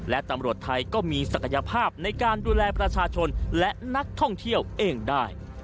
และตำรวจไทยก็มีศักยภาพในการดูแลประชาชนและนักท่องเที่ยวเองได้